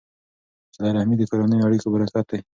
صله رحمي د کورنیو اړیکو برکت دی.